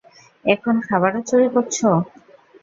এখন খাবারও চুরি করছো?